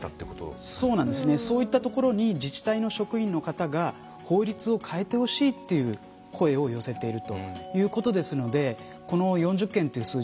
そういったところに自治体の職員の方が「法律を変えてほしい」という声を寄せているということですのでこの４０件という数字はですね